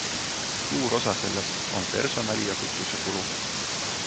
Suur osa sellest on personali- ja kütusekulu.